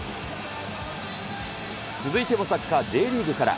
続いてもサッカーＪリーグから。